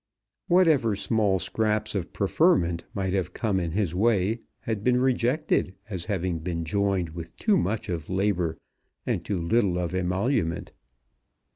Whatever small scraps of preferment might have come in his way had been rejected as having been joined with too much of labour and too little of emolument.